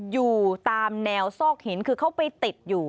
อยู่ตามแนวซอกหินคือเขาไปติดอยู่